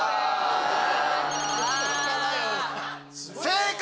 正解！